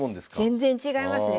全然違いますね。